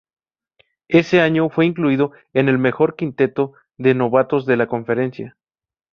Ese año fue incluido en el mejor quinteto de novatos de la conferencia.